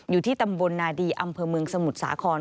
อยู่ที่ตำบลนาดีอำเภอเมืองสมุทรสาคร